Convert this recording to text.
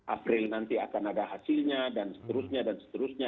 april nanti akan ada hasilnya dan seterusnya dan seterusnya